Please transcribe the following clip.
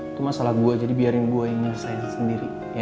itu masalah gua jadi biarin gua yang nyelesain sendiri ya